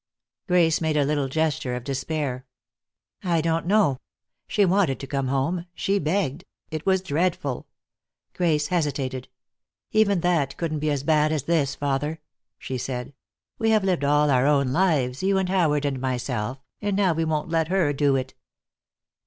Grace made a little gesture of despair. "I don't know. She wanted to come home. She begged it was dreadful." Grace hesitated. "Even that couldn't be as bad as this, father," she said. "We have all lived our own lives, you and Howard and myself, and now we won't let her do it."